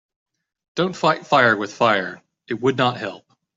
Don‘t fight fire with fire, it would not help.